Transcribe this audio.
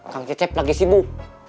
kang cecep lagi sibuk